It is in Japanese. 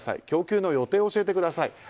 供給の予定を教えてください。